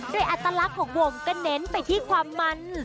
โดยอัตลักษณ์ของวงก็เน้นไปที่ความมัน